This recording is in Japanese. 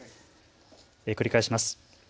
繰り返します。